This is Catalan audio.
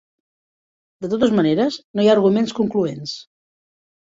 De totes maneres, no hi ha arguments concloents.